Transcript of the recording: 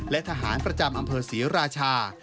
และทหารประจำอำเภอศรีราชา